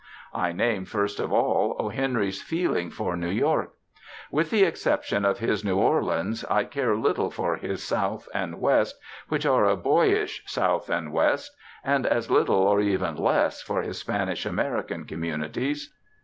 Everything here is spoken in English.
I name, first of all, O. Henry's feeling for New York. With the exception of his New Orleans, I care little for his South and West, which are a boyish South and West, and as little, or even less, for his Spanish American communities.